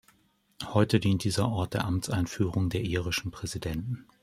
Heute dient dieser Ort der Amtseinführung der irischen Präsidenten.